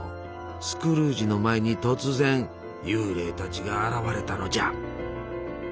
スクルージの前に突然幽霊たちが現れたのじゃ。